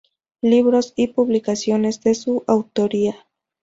Libros y publicaciones de su autoría